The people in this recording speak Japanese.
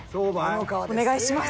お願いします。